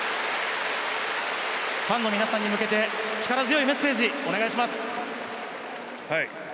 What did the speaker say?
ファンの皆さんに向けて力強いメッセージをお願いします。